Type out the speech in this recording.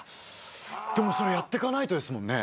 でもそれやってかないとですもんね。